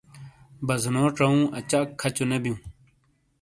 بازونو چاوؤں اچاک کھچو نے بیوں۔